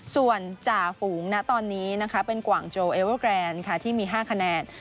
ส่วนจ่าฝูงณตอนนี้นะคะเป็นกว่างโจเอเวอร์แกรนด์ค่ะที่มี๕คะแนน